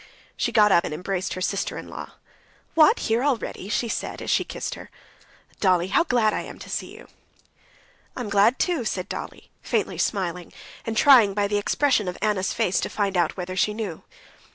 She got up and embraced her sister in law. "What, here already!" she said as she kissed her. "Dolly, how glad I am to see you!" "I am glad, too," said Dolly, faintly smiling, and trying by the expression of Anna's face to find out whether she knew.